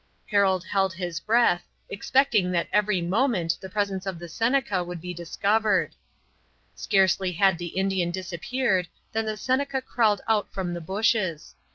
Harold held his breath, expecting that every moment the presence of the Seneca would be discovered. Scarcely had the Indian disappeared than the Seneca crawled out from the bushes.